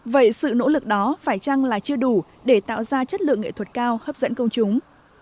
vậy sự nỗ lực đó phải chăng là chưa đủ để tạo ra chất lượng nghệ thuật cao hấp dẫn công chúng